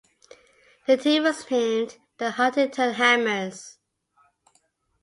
The team was named the Huntington Hammers.